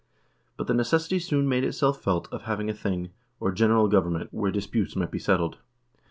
But the neces sity soon made itself felt of having a thing, or general government, where disputes might be settled.